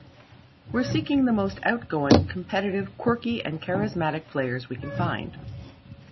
We're seeking the most outgoing, competitive, quirky and charismatic players we can find.